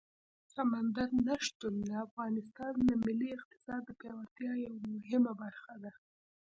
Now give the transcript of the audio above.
سمندر نه شتون د افغانستان د ملي اقتصاد د پیاوړتیا یوه مهمه برخه ده.